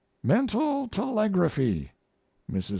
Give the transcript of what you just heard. Mental Telegraphy. Mrs.